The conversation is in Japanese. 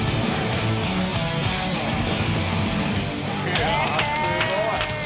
すごい。